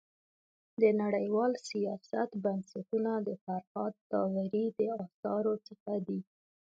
د نړيوال سیاست بنسټونه د فرهاد داوري د اثارو څخه دی.